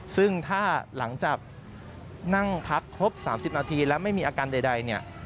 ซึ่งถ้าหลังจากนั่งพักครบ๓๐นาทีแล้วไม่มีอาการใดเนี่ย